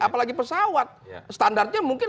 apalagi pesawat standarnya mungkin